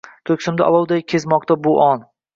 Ko’ksimda olovday kezmoqda bu on